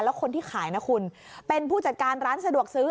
แล้วคนที่ขายนะคุณเป็นผู้จัดการร้านสะดวกซื้อ